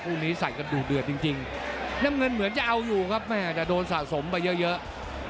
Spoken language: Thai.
คู่นี้ใส่กันดูเดือดจริงน้ำเงินเหมือนจะเอาอยู่ครับแม่แต่โดนสะสมไปเยอะ